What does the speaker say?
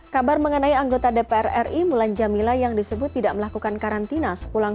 kabar mengenai anggota dpr ri mulan jamila yang disebut tidak melakukan karantina sepulang